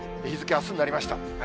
日付、あすになりました。